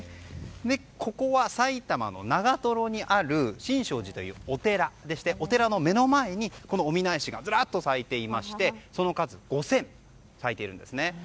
ここは埼玉の長瀞にある真性寺というお寺でしてお寺の目の前にオミナエシがずらっと咲いていましてその数５０００咲いているんですね。